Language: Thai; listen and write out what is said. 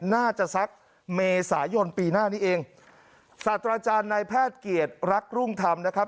สักเมษายนปีหน้านี้เองศาสตราจารย์นายแพทย์เกียรติรักรุ่งธรรมนะครับ